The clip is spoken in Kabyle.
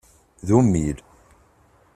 D ummil.